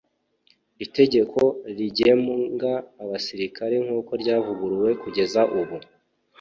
itegeko rigemnga abasirikare nk'uko ryavuguruwe kugeza ubu